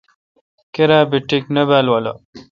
کیرا بی ٹک نہ بال والہ۔